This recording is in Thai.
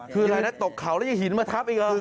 คือใดตกเขาแล้วยังหินมาทับอีกหรอ